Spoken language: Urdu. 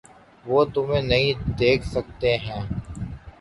وہ تمہیں نہیں دیکھ سکتے ہیں۔